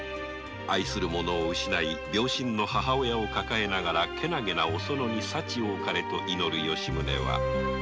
愛する者を失い病身の母親を抱えながらけなげに生きるお園に幸多かれと祈る吉宗であった